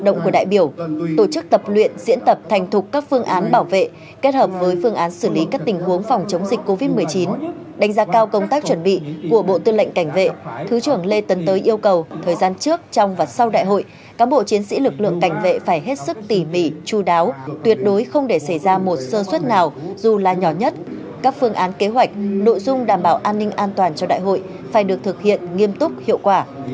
đại biểu tổ chức tập luyện diễn tập thành thục các phương án bảo vệ kết hợp với phương án xử lý các tình huống phòng chống dịch covid một mươi chín đánh giá cao công tác chuẩn bị của bộ tư lệnh cảnh vệ thứ trưởng lê tấn tới yêu cầu thời gian trước trong và sau đại hội các bộ chiến sĩ lực lượng cảnh vệ phải hết sức tỉ mỉ chú đáo tuyệt đối không để xảy ra một sơ suất nào dù là nhỏ nhất các phương án kế hoạch nội dung đảm bảo an ninh an toàn cho đại hội phải được thực hiện nghiêm túc hiệu quả